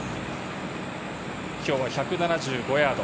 今日は１７５ヤード。